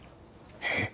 えっ！？